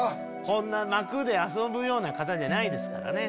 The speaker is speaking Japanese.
こんな幕で遊ぶような方じゃないですからね。